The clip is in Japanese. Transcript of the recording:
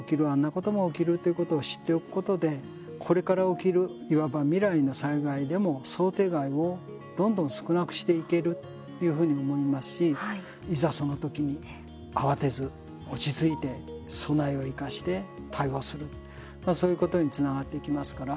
ことも起きるということを知っておくことでこれから起きるいわば未来の災害でも想定外をどんどん少なくしていけるというふうに思いますしいざ、その時に慌てず落ち着いて備えを生かして対応するそういうことにつながっていきますから。